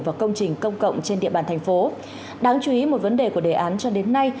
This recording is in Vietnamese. và công trình công cộng trên địa bàn thành phố đáng chú ý một vấn đề của đề án cho đến nay